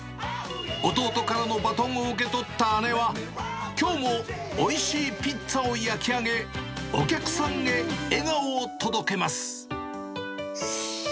弟からのバトンを受け取った姉は、きょうもおいしいピッツァを焼き上げ、お客さんへ笑顔を届けます。